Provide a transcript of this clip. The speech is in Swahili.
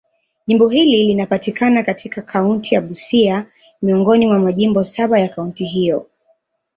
Jimbo hili linapatikana katika kaunti ya Busia, miongoni mwa majimbo saba ya kaunti hiyo.